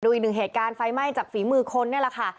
อีกหนึ่งเหตุการณ์ไฟไหม้จากฝีมือคนนี่แหละค่ะ